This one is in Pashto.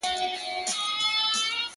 ته جرس په خوب وینه او سر دي ښوروه ورته!.